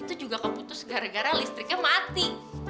itu juga keputus gara gara listriknya mati